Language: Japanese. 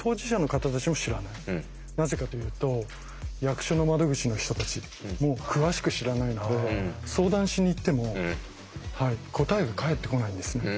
なぜかというと役所の窓口の人たちも詳しく知らないので相談しに行っても答えが返ってこないんですね。